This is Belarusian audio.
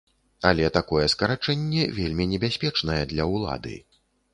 Але такое скарачэнне вельмі небяспечнае для ўлады.